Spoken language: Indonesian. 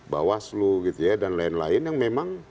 bawaslu gitu ya dan lain lain yang memang